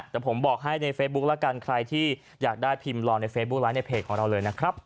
แต่ผมบอกให้ในเฟซบุ๊คละกันใครที่อยากได้พิมพ์ลองในเฟซบุ๊คไลค์ในเพจของเราเลยนะครับ